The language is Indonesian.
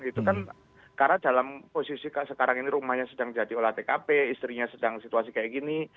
itu kan karena dalam posisi sekarang ini rumahnya sedang jadi olah tkp istrinya sedang situasi kayak gini